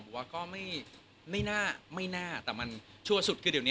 จะไปสร้างภูมิกัดในกรรมหรือยัง